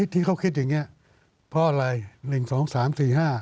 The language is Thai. ที่เขาคิดอย่างนี้เพราะอะไร๑๒๓๔๕